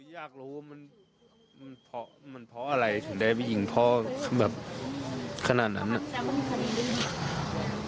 อยากรู้ว่ามันเพราะมันเพราะอะไรถึงได้ไปยิงพ่อแบบขนาดนั้นอ่ะ